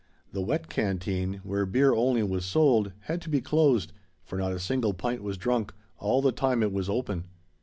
The Wet Canteen, where beer only was sold, had to be closed, for not a single pint was drunk all the time it was open.